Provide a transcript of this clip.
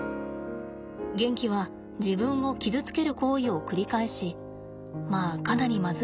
ゲンキは自分を傷つける行為を繰り返しまあかなりまずい状態になりました。